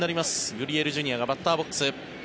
グリエルＪｒ．がバッターボックス。